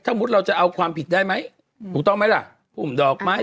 มุติเราจะเอาความผิดได้ไหมถูกต้องไหมล่ะพุ่มดอกไม้